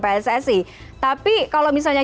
pssi tapi kalau misalnya